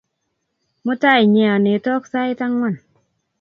Mutai nyeonetok sait ang'wan